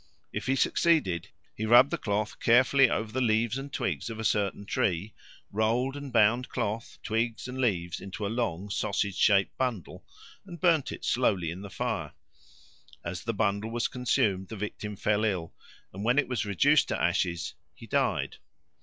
If he succeeded, he rubbed the cloth carefully over with the leaves and twigs of a certain tree, rolled and bound cloth, twigs, and leaves into a long sausage shaped bundle, and burned it slowly in the fire. As the bundle was consumed, the victim fell ill, and when it was reduced to ashes, he died.